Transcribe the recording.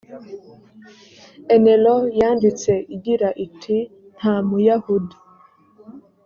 enelow yanditse igira iti nta muyahudi